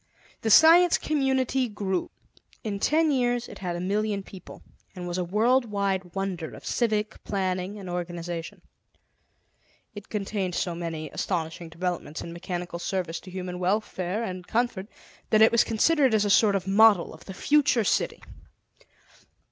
The Science Community grew. In ten years it had a million people, and was a worldwide wonder of civic planning and organization; it contained so many astonishing developments in mechanical service to human welfare and comfort that it was considered as a sort of model of the future city.